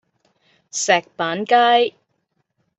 石板街